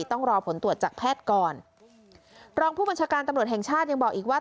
ต้องรอผลตรวจจากแพทย์ก่อนรองผู้บัญชาการตำรวจแห่งชาติยังบอกอีกว่า